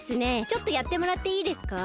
ちょっとやってもらっていいですか？